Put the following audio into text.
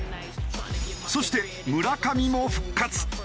そして村上も復活。